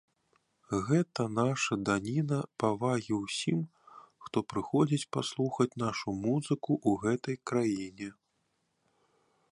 Гэта наша даніна павагі ўсім, хто прыходзіць паслухаць нашу музыку ў гэтай краіне.